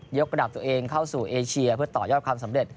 กระดับตัวเองเข้าสู่เอเชียเพื่อต่อยอดความสำเร็จ